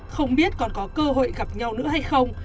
không biết còn có cơ hội gặp nhau nữa hay không